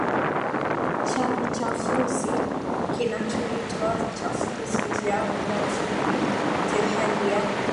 cha vichafuzi kinachoitwa Vichafuzi vya MudaMfupi vya Hali ya